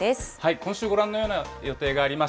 今週、ご覧のような予定があります。